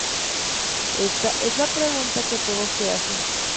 Esta es la pregunta que todos se hacen.